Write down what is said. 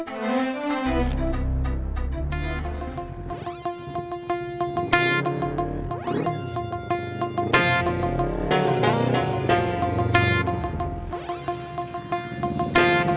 pasternya yang turut mokok